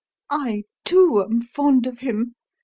I, too, am fond of him.